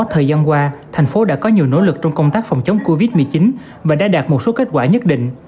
thời gian qua thành phố đã có nhiều nỗ lực trong công tác phòng chống covid một mươi chín và đã đạt một số kết quả nhất định